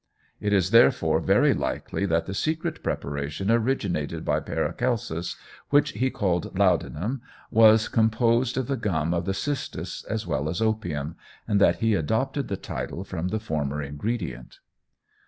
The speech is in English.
It is therefore very likely that the secret preparation originated by Paracelsus which he called laudanum, was composed of the gum of the cistus as well as opium, and that he adopted the title from the former ingredient.